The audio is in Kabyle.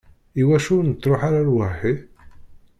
Iwacu ur nettruḥ ara lwaḥi?